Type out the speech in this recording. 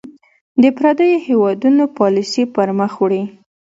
د پرديـو هېـوادونـو پالسـي پـر مــخ وړي .